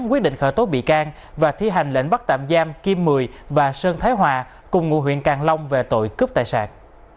quyết định khởi tố bị can và thi hành lệnh bắt tạm giam kim mười và sơn thái hòa cùng ngụ huyện càng long về tội cướp tài sản